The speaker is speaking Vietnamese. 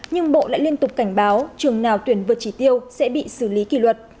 nhưng bộ lại liên tục cảnh báo trường nào tuyển vượt chỉ tiêu sẽ bị xử lý kỷ luật